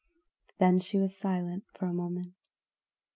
Then she was silent for a moment.